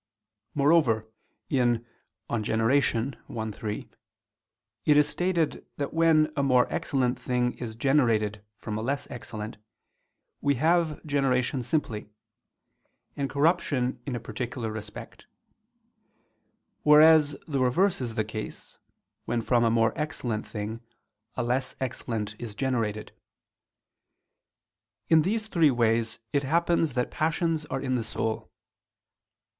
Moreover in De Generat. i, 3 it is stated that when a more excellent thing is generated from a less excellent, we have generation simply, and corruption in a particular respect: whereas the reverse is the case, when from a more excellent thing, a less excellent is generated. In these three ways it happens that passions are in the soul.